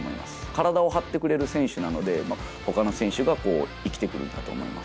体を張ってくれる選手なので、ほかの選手が生きてくるんだと思います。